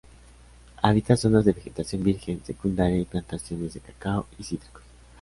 Habita zonas de vegetación virgen, secundaria y plantaciones de cacao y cítricos.